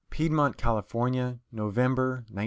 PIEDMONT, CALIFORNIA. November 1901.